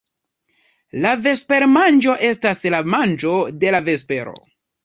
La vespermanĝo estas la manĝo de la vespero.